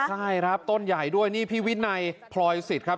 ใช่ครับต้นใหญ่ด้วยนี่พี่วินัยพลอยสิทธิ์ครับ